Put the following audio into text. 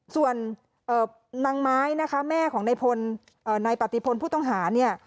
ส่วนนางไม้นะคะแม่ของนายปฏิพลผู้ต้องหาเนี่ย